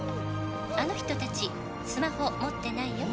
「あの人達スマホ持ってないよ」